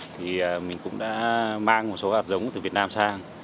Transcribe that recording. thì mình cũng đã mang một số hạt giống từ việt nam sang